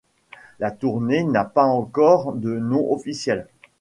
La tournée n'a pas encore de nom officiel.